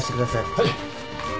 はい。